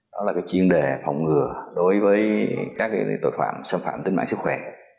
đó là chuyên đề phòng ngừa đối với các tội phạm xâm phạm tính mạng sức khỏe